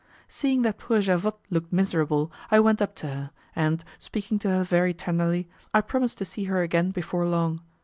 Seeing that poor Javotte looked miserable, I went up to her, and, speaking to her very tenderly, I promised to see her again before long.